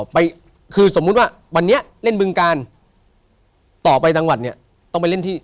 ไปคือสมมุติว่าวันนี้เล่นบึงการต่อไปจังหวัดเนี่ยต้องไปเล่นที่